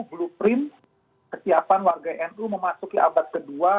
blueprint kesiapan warga nu memasuki abad kedua